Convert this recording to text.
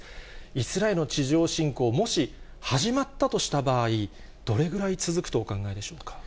イスラエルの地上侵攻、もし始まったとした場合、どれぐらい続くとお考えでしょうか。